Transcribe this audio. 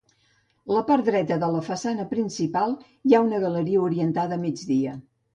La part dreta de la façana principal hi ha una galeria orientada a migdia.